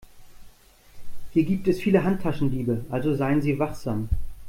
Hier gibt es viele Handtaschendiebe, also seien Sie wachsam.